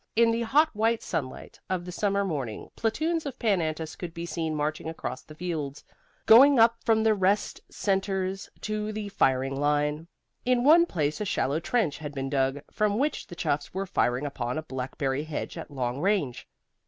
In the hot white sunlight of the summer morning platoons of Pan Antis could be seen marching across the fields, going up from the rest centers to the firing line. In one place a shallow trench had been dug, from which the chuffs were firing upon a blackberry hedge at long range.